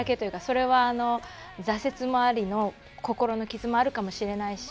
それは、挫折もありの心の傷もあるかもしれないし。